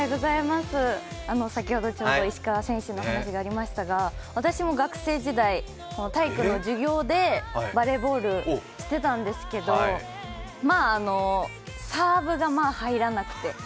先ほど石川選手の話がありましたが私も学生時代、体育の授業でバレーボールしてたんですけど、まあ、サーブが入らなくて。